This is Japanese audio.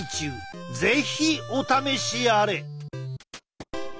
是非お試しあれ！